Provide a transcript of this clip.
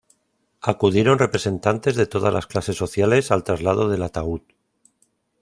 Acudieron representantes de todas las clases sociales al traslado del ataúd.